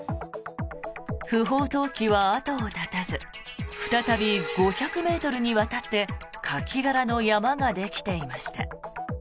不法投棄は後を絶たず再び５００ｍにわたってカキ殻の山ができていました。